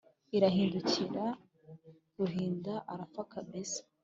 irahindukira ruhinda arapfa kabisa